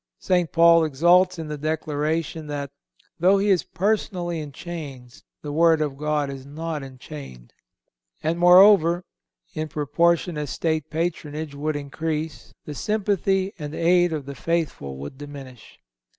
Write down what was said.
St. Paul exults in the declaration that, though he is personally in chains, the word of God is not enchained.(316) And moreover, in proportion as State patronage would increase, the sympathy and aid of the faithful would diminish.